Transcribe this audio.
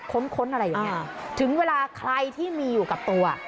ค้นอะไรอย่างนี้ถึงเวลาใครที่มีอยู่กับตัว